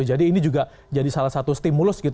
jadi ini juga jadi salah satu stimulus